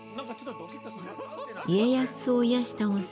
家康を癒やした温泉